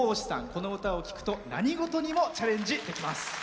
この歌を聴くと何事にもチャレンジできます。